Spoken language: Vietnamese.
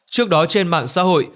trước đó trên mạng xã hội